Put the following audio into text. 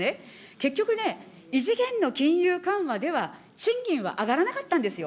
結局ね、異次元の金融緩和では、賃金は上がらなかったんですよ。